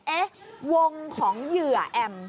เอ๊ะวงของเหยื่อแอม